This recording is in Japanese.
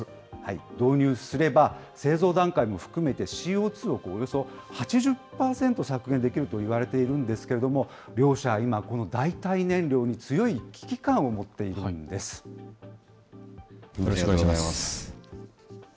導入すれば、製造段階も含め、ＣＯ２をおよそ８０％削減できるといわれているんですけれども、両社は今、この代替燃料に強い危機よろしくお願いします。